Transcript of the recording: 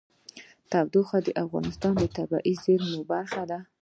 تودوخه د افغانستان د طبیعي زیرمو برخه ده.